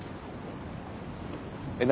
えっ何？